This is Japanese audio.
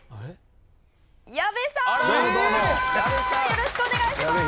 よろしくお願いします。